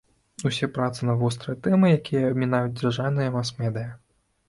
Усе працы на вострыя тэмы, якія абмінаюць дзяржаўныя мас-медыя.